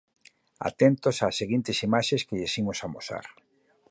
Atentos ás seguintes imaxes que lles imos amosar.